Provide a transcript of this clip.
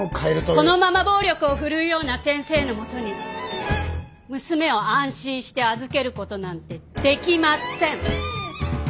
このまま暴力を振るうような先生のもとに娘を安心して預ける事なんてできません！